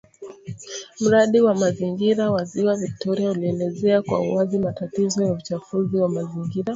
Mradi wa Mazingira wa Ziwa Victoria ulielezea kwa uwazi matatizo ya uchafuzi wa mazingira